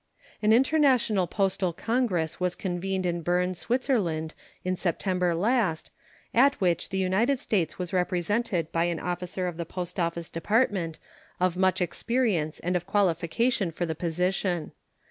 An international postal congress was convened in Berne, Switzerland, in September last, at which the United States was represented by an officer of the Post Office Department of much experience and of qualification for the position.